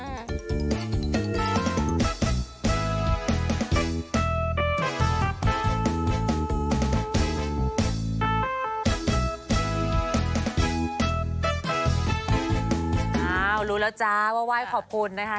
อ้าวรู้แล้วจ้าว่าไหว้ขอบคุณนะคะ